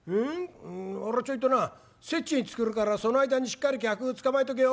俺ちょいとな雪隠行ってくるからその間にしっかり客捕まえとけよ」。